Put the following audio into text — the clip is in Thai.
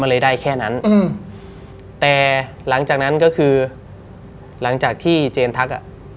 เลยได้แค่นั้นอืมแต่หลังจากนั้นก็คือหลังจากที่เจนทักอ่ะ